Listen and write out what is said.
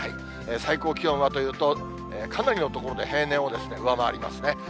最高気温はというと、かなりの所で平年を上回りますね。